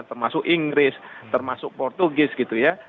termasuk inggris termasuk portugis gitu ya